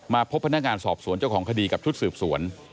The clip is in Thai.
พบพนักงานสอบสวนเจ้าของคดีกับชุดสืบสวน